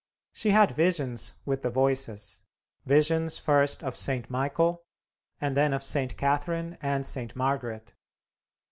She had visions with the Voices; visions first of St. Michael, and then of St. Catherine and St. Margaret.